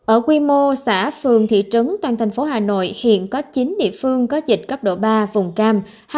ở quy mô xã phường thị trấn toàn thành phố hà nội hiện có chín địa phương có dịch cấp độ ba vùng cam